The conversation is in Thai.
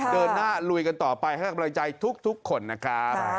เดินหน้าลุยกันต่อไปขอขอบใจทุกคนนะคะ